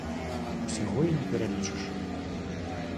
Усяго і не пералічыш.